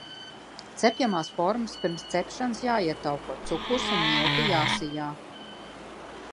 Cepjamās formas pirms cepšanas jāietauko, cukurs un milti jāsijā.